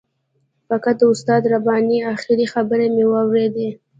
فقط د استاد رباني آخري خبرې مې واورېدې.